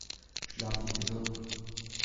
Schlaf dich gesund!